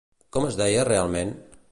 Com es deia realment?